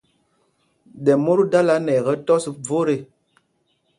Ɗɛ mot dala nɛ ɛkɛ́ tɔ́s vot ê.